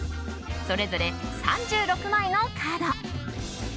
それぞれ３６枚のカード。